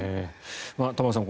玉川さん